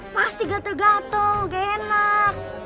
pasti gatel gatel gak enak